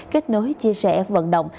kết nối chia sẻ vận động